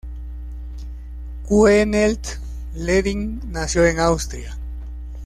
Kuehnelt-Leddihn nació en Austria.